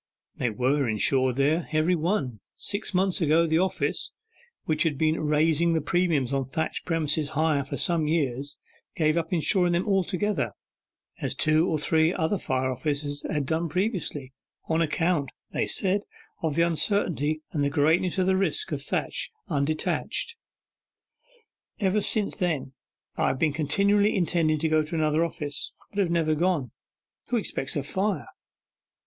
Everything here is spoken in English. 'They were insured there every one. Six months ago the office, which had been raising the premiums on thatched premises higher for some years, gave up insuring them altogether, as two or three other fire offices had done previously, on account, they said, of the uncertainty and greatness of the risk of thatch undetached. Ever since then I have been continually intending to go to another office, but have never gone. Who expects a fire?